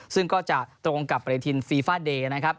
ซึ่งก็จะตรงกับประเทศฟีฟาเดย์